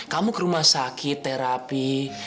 kamu ke rumah sakit terapi